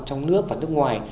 trong nước nước nước ngoài